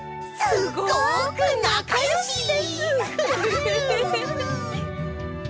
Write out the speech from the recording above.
すごくなかよしです！